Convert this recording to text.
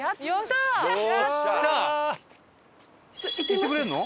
行ってくれるの？